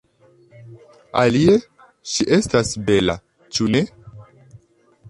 Alie, ŝi estas bela, ĉu ne?